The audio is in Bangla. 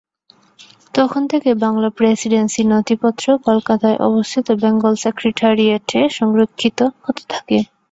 তখন থেকে বাংলা প্রেসিডেন্সির নথিপত্র কলকাতায় অবস্থিত বেঙ্গল সেক্রেটারিয়েটে সংরক্ষিত হতে থাকে।